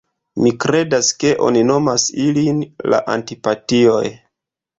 Mi kredas ke oni nomas ilin la Antipatioj.